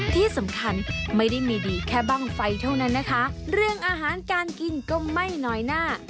ที่สำคัญไม่ได้มีดีแค่บ้างไฟเท่านั้นนะคะเรื่องอาหารการกินก็ไม่น้อยหน้า